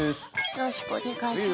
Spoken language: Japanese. よろしくお願いします。